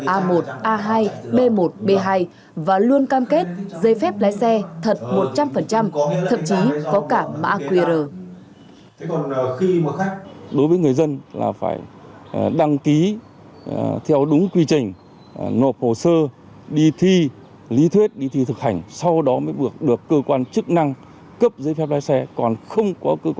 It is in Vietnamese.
a một a hai b một b hai và luôn cam kết giấy phép lái xe thật một trăm linh thậm chí có cả mã qr